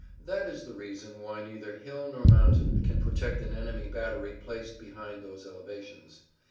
That is the reason why neither hill nor mountain can protect an enemy battery placed behind those elevations.